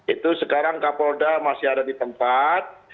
itu sekarang kapolda masih ada di tempat